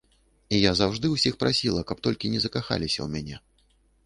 І я заўжды ўсіх прасіла, каб толькі не закахаліся ў мяне.